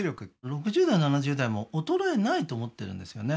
６０代７０代も衰えないと思ってるんですよね